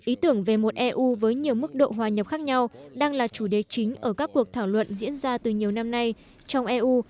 ý tưởng về một eu với nhiều mức độ hòa nhập khác nhau đang là chủ đề chính ở các cuộc thảo luận diễn ra từ nhiều năm nay trong eu